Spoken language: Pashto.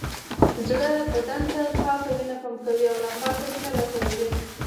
زړه بدن ته پاکه وینه پمپ کوي او ناپاکه وینه راټولوي